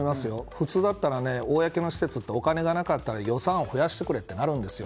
普通だったら公の施設ってお金がなかったら予算を増やしてくれとなるんですよ。